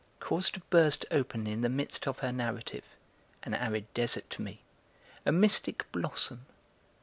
caused to burst open in the midst of her narrative (an arid desert to me) a mystic blossom.